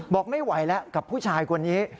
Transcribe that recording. บอกไม่ไหวแล้วกับผู้ชายคนนี้